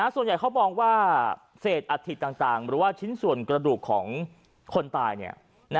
ส่วนใหญ่เขามองว่าเศษอัฐิต่างหรือว่าชิ้นส่วนกระดูกของคนตาย